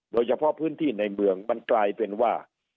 โดยเฉพาะพื้นที่ในเมืองมันกลายเป็นว่า